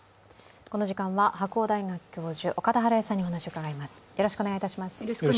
この時間は白鴎大学教授、岡田晴恵さんにお話を伺います。